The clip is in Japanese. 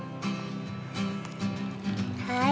はい。